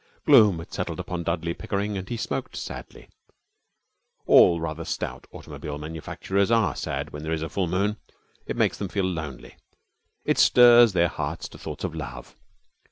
Gloom had settled upon Dudley Pickering and he smoked sadly. All rather stout automobile manufacturers are sad when there is a full moon. It makes them feel lonely. It stirs their hearts to thoughts of love.